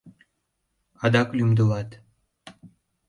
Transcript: — Адак лӱмдылат?